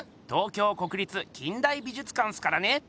東京国立近代美術館っすからね。